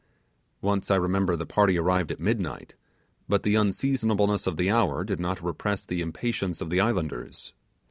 Once I remember the party arrived at midnight; but the unseasonableness of the tour did not repress the impatience of the islanders.